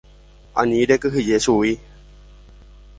Ani rekyhyje chugui.